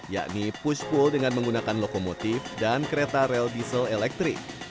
yakni pushful dengan menggunakan lokomotif dan kereta rel diesel elektrik